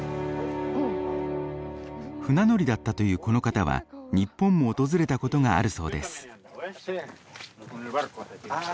船乗りだったというこの方は日本も訪れたことがあるそうです。